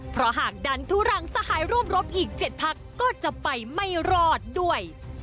เพราะหากดันทุรังสหายร่วมรบอีก๗พักก็จะไปไม่รอดด้วย